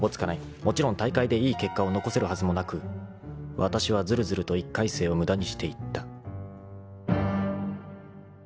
［もちろん大会でいい結果を残せるはずもなくわたしはずるずると１回生を無駄にしていった］